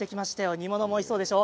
煮物もおいしそうでしょ。